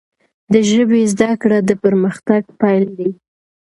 د ژبي زده کړه، د پرمختګ پیل دی.